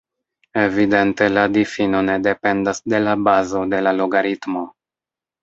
Evidente la difino ne dependas de la bazo de la logaritmo.